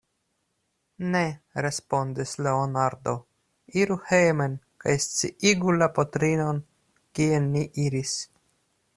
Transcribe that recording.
Ne, respondis Leonardo, iru hejmen kaj sciigu la patrinon, kien ni iris.